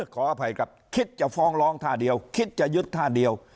ขออภัยครับคิดจะฟ้องร้องท่าเดียวคิดจะยึดท่าเดียว